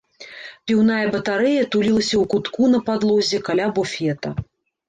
Піўная батарэя тулілася ў кутку на падлозе каля буфета.